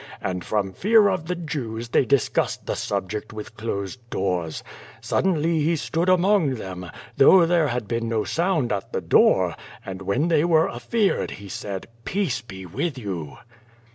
And from fear of the Jews they discussed the subject with closed doors. Suddenly He stood among them, though there had been no sound at the door, and when they were afeared He said Teacc be with you.'